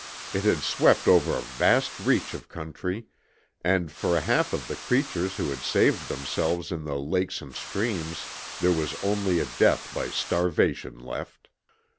It had swept over a vast reach of country, and for a half of the creatures who had saved themselves in the lakes and streams there was only a death by starvation left.